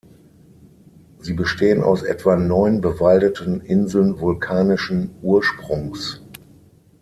Sie bestehen aus etwa neun bewaldeten Inseln vulkanischen Ursprungs.